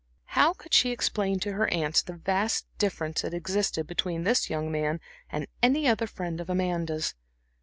How could she explain to her aunts the vast difference that existed between this young man and any other friend of Amanda's?